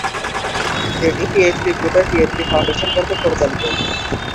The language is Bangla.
এটি পিএইচপি গ্রুপের পিএইচপি ফাউন্ডেশন কর্তৃক পরিচালিত।